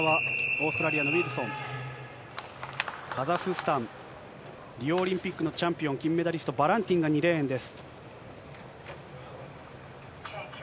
こちらはオーストラリアのウィルソン、カザフスタン、リオオリンピックのチャンピオン、金メダリスト、バランディンが２レーンです。